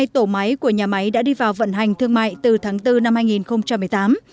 hai tổ máy của nhà máy đã đi vào vận hành thương mại từ tháng bốn năm hai nghìn một mươi tám